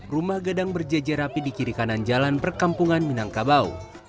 rumah gadang berjejer api di kiri kanan jalan perkampungan minangkabau